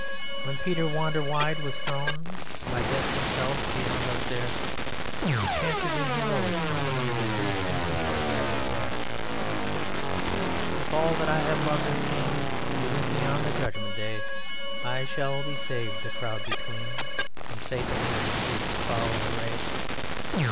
When Peter Wanderwide was thrown By Death himself beyond Auxerre, He chanted in heroic tone To Priest and people gathered there: "If all that I have loved and seen Be with me on the Judgment Day, I shall be saved the crowd between From Satan and his foul array.